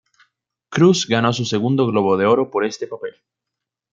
Cruise ganó su segundo Globo de Oro por este papel.